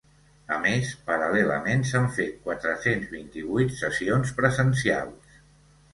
A més, paral·lelament s’han fet quatre-cents vint-i-vuit sessions presencials.